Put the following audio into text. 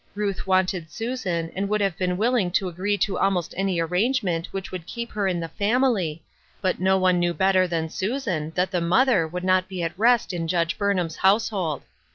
Ruth wanted Susan, and would have been willing to agree to almost any arrangement which would keep her in the family ; but no one knew better than Susan that the mother would not be at rest in Judge Burnham's household.